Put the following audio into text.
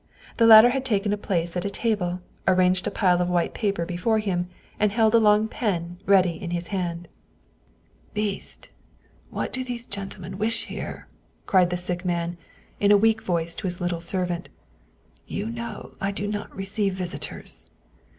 The latter had taken a place 126 Wilhelm Hauff at a table, arranged a pile of white paper before him, and held a long pen ready in his hand. " Beast, what do these gentlemen wish here ?" cried the sick man in a weak voice to his little servant. " You know I do not receive visitors."